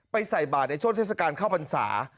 ไปใส่บาดในช่วงเทศกาลข้าวปันสา